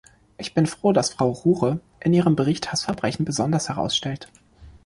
Ich bin froh, dass Frau Roure in ihrem Bericht Hassverbrechen besonders herausstellt.